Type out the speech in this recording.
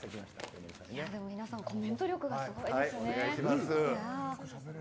皆さんコメント力がすごいですね。